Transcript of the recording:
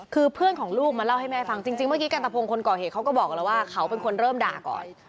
คือเพื่อนของลูกมาเล่าให้แม่ฟังจริงเมื่อกี้กันตะพงคนก่อเหตุเขาก็บอกแล้วว่าเขาเป็นคนเริ่มด่าก่อน